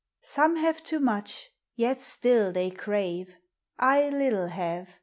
Some have too much, yet still they eraw ; I little haw, v.'